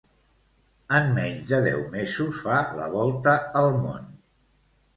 En menys de deu mesos fa la volta al món.